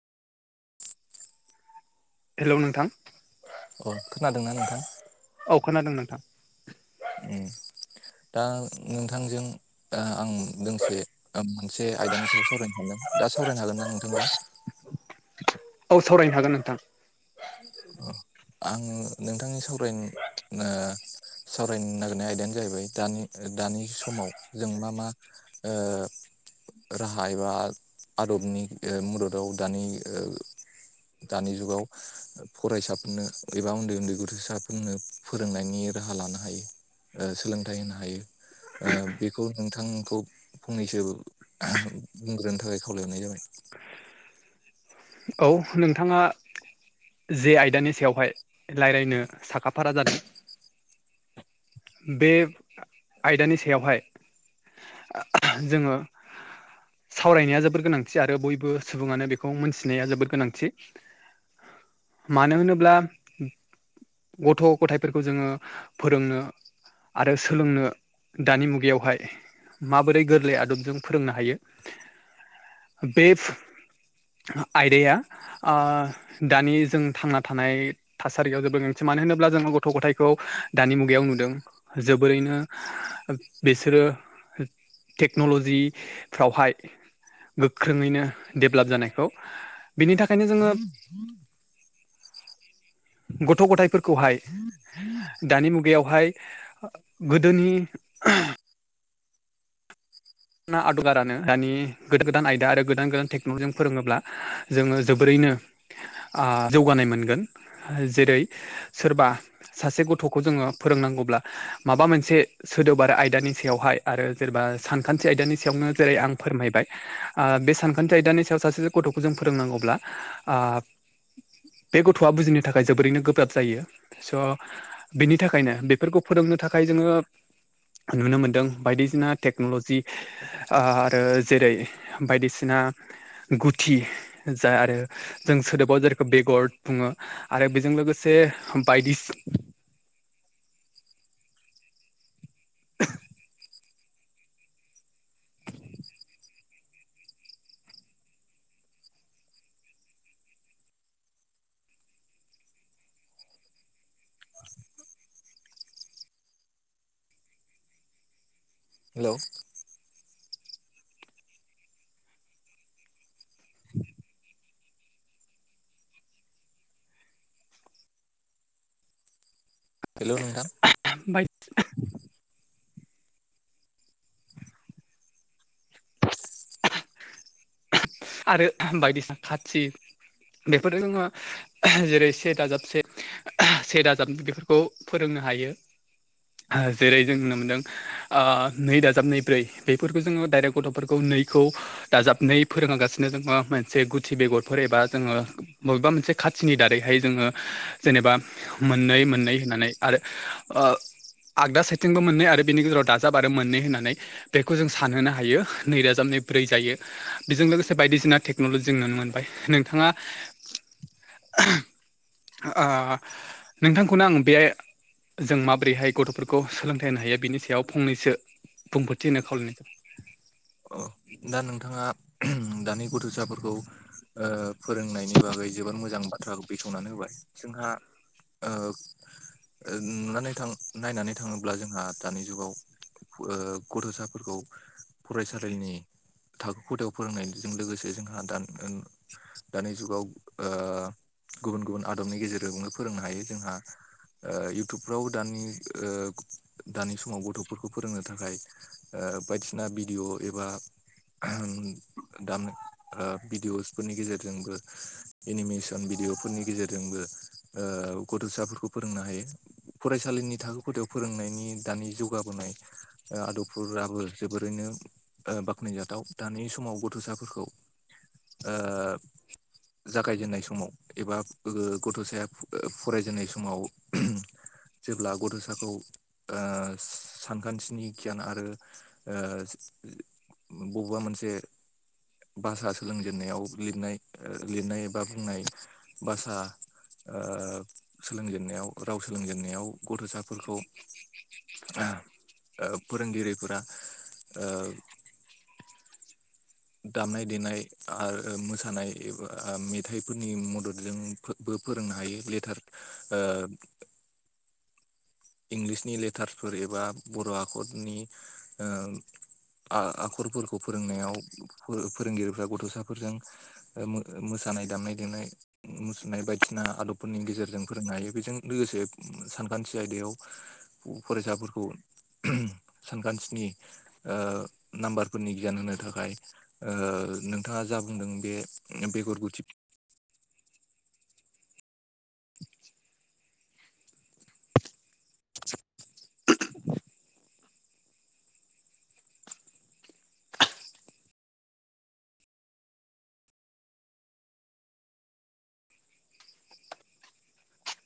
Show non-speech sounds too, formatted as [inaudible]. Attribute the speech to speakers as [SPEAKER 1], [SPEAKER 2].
[SPEAKER 1] हेल' नोंथां।
[SPEAKER 2] अ खोनादोंना नोंथां।
[SPEAKER 1] औ खोनादों नोंथां।
[SPEAKER 2] ए दा नोंथांजों। आं दोंसे मोनसे आयदानि सायाव सावरायनो सानदों दा सावरायनो हागोन नना नोंथांजों।
[SPEAKER 1] औ सावरायनो हागोन नोंथां।
[SPEAKER 2] अ आं नोंथांनि सावराय। सावरायनो नागिरनाय आयदायानो जाहैबाय दानि दानि समाव जों मा मा ओ राहा एबा आदबनि मददाव दानि दानि जुगाव फरायसा गनो एबा उन्दै उन्दै गथ'साफोरनो फोरोंनायनि राहा लानो हायो। सोलोंथाइ होनो हायो बेखौ नोंथांखौ। फंनैसो बुंग्रोनो थाखाय खावलायहरनाय जाबाय।
[SPEAKER 1] औ नोंथाङा जे आयदानि सायावहाय रायज्लायनो साखाफारा जादों। बे आयदानि सायावहाय। जोङो सावरायनाया जोबोर गोनांथि आरो बयबो सुबुङानो बेखौ मोनथिनाया जोबोर गोनांथि। मानो होनोब्ला। गथ' गथायाइफोरखौ जोङो फोरोंनो। आरो सोलोंनो दानि मुगायावहाय माबोरै गोरलै आदबजों फोरोंनो हायो बे। आयदाया दानि जों थांना थानाय थासारियाव जोबल गांसै मानो होनोब्ला जोङो गथ' गथथायखौ दानि मुगायाव नुदों। जोबोरैनो बिसोरो। टेक्नल'जिफ्रावहाय गोख्रोङैनो दडेभेलप जानायखौ बिनि थाखायनो जोङो गथ' गथायफोरखौहाय दानि मुगायावहाय गोदोनि आना आदगारानो दानि गोदान गोदान आयदा आरो गोदान गोदान टेक्न'लजिजों फोरोङोब्ला। जोङो जोबोरैनो जौगानाय मोनगोन जेरै सोरबा सासे गथ'खौ जोङो फोरोंनांगौब्ला माबा मोनसे। सोदोबार आयदानि सायावहाय आरो जेनेबा सानखान्थि आयदानि सायावनो जेरै आं फोरमायबाय। बे सानखान्थि आयदानि सायाव सासे गथ'खौ जों फोरोंनांगौब्ला। बे गथ'आ बुजिनो थाखाय जोबोरैनो गोब्राब जायो स' बेनि थाखायनो बेफोरखौ फोरोंनो थाखाय जोङो नुनो मोनदों बायदिसिना टेक्न'लजि जि आरो जेरै बायदिसिना। गुथि जा आरो जों सोदोबाव जेरखौ बेगर बुङो आरो बेजों लोगोसे बायदिसि [inaudible]
[SPEAKER 2] हेलौ।
[SPEAKER 1] [inaudible]
[SPEAKER 2] हेलौ नोंथां।
[SPEAKER 1] बाय आरो बायदिसिना खाथि बेफोरजों नङा जेरै से दाजाबसे सेर जाब बेफोरखौ फोरोंनो हायो जेरै जों नुनो मोन्दों। नै दाजाब नै ब्रै बेफोरखौ जोङो डाइरेक्ट गथ'फोरखौ नैखौ दाजाबनै फोरोंगासिनो जोङो मोनसे गुथि बेगरफोर एबा जोङो। बबेबा मोनसे खाथिनि दारैहाय जोङो जेनेबा मोननै मोननै होननानै आरो आगदा साइथिंबो मोननै आरो बिनि गेजेराव दाजाब आरो मोननै होननानै बेखौ जों सानहोनो हायो नैरोजा नै ब्रै जायो बेजों लोगोसे बायदिसिना टेक्न'लजि नुनो मोनबाय नोंथाङा नोंथांखौनो आं बे जों माबोरैहाय गथ'फोरखौ सोलोंथाइ होनो हायो बिनि सायाव फंनैसो बुंफोरथि होनो खावलायनाय जाबाय
[SPEAKER 2] अ दा नोंथाङा दानि गथ'साफोरखौ फोरोंनायनि बागै जोोबोर मोजां बाथ्रा बेखेवनानै होबाय जोंहा नुनानै थां नायनानै थाङोब्ला जोंहा दानि जुगाव गथ'साफोरखौ फरायसालिनि थाखो खथायाव फोरोंनायजों लोगोसे जोंहा द दानि जुगाव गुबुन गुबुन आदबनि गेजेरजोंनो फोरोंनो हायो जोंहा इउटुबफ्राव दानि दानि समाव गथ'फोरखौ फोरोंनो थाखाय बायदिसिना भिडिय' एबा दाम भिडिअ'सफोरनि गेजेरजोंबो एनिमेसन भिडिअफोरनि गेजेरजोंबो गथ'साफोरखौ फोरोंनो हायो फरायसालिनि थाखो खथायाव फोरोंनायनि दानि जौगाबोनाय आदबफोराबो जोबोरैनो बखनायजाथाव दानि समाव गथ'साफोरखौ जागायजेननाय समाव एबा गथ'साया फरायजेननाय समाव जेब्ला गथ'साखौ सानखान्थिनि गियान आरो बबेबा मोनसे भाषा सोलोंजेनन्नायाव लिरनाय लिरनाय एबा बुंनाय भाषा सोलोंजेननायाव राव सोलोंजेननायाव गथ'साफोरखौ फोरोंगिरिफोरा [inaudible] दामनाय देनाय आरो मोसानाय एबा मेथाइफोरनि मददजों बो फोरोंनो हायो लेटार इंलिसनि लेटार्सफोर एबा बर' आखरनि आखरफोरखौ फोरोंनायाव फोरोंगिरिफ्रा गथ'साफोरजों मोसानाय दामनाय देनाय मुसुरनाय बायदिसिना आदबफोरनि गेजेरजों फोरोंनो हायो बेजों लोगोसे सानखान्थि आयदायाव फरायसाफोरखौ सानखान्थिनि नाम्बारफोरनि गियान होनो थाखाय ओ नोंथाङा जा बुंदों बे बेगरगुथि